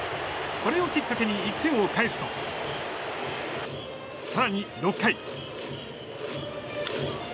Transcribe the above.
これをきっかけに１点を返すと更に６回。